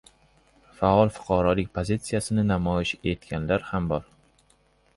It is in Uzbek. Faol fuqarolik pozitsiyasini namoyish etganlar ham bor.